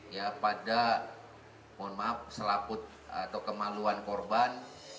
ya pada mohon maaf selaput atau kemaluan korban